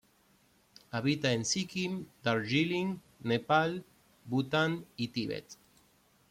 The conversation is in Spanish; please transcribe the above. Habita en Sikkim, Darjeeling, Nepal, Bután y Tíbet.